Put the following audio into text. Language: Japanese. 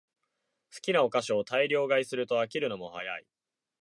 好きなお菓子を大量買いすると飽きるのも早い